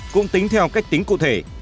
cũng tính theo cách tính cụ thể